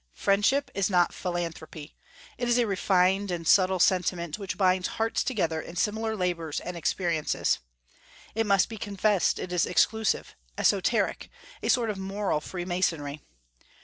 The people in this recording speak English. Friendship is not philanthropy: it is a refined and subtile sentiment which binds hearts together in similar labors and experiences. It must be confessed it is exclusive, esoteric, a sort of moral freemasonry.